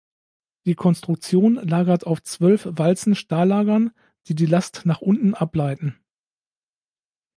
Die Konstruktion lagert auf zwölf Walzen-Stahllagern, die die Last nach unten ableiten.